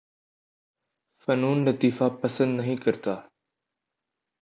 فنون لطیفہ پسند نہیں کرتا